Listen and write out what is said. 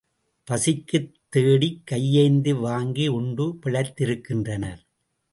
பசிக்குத் தேடிக் கையேந்தி வாங்கி உண்டு பிழைத்திருக்கின்றனர்.